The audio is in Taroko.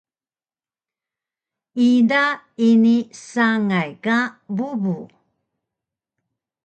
ida ini sangay ka bubu